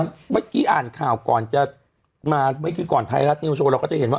เมื่อกี้อ่านข่าวก่อนจะมาเมื่อกี้ก่อนไทยรัฐนิวโชว์เราก็จะเห็นว่า